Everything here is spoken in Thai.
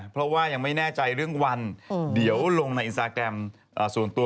เพราะว่ายังไม่แน่ใจเรื่องวันเดี๋ยวลงในอินสตาแกรมส่วนตัว